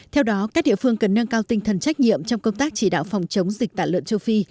theo đó các địa phương cần nâng cao tinh thần trách nhiệm trong công tác chỉ đạo phòng chống dịch tả lợn châu phi